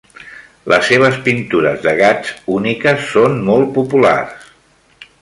Les seves pintures de gats úniques són molt populars.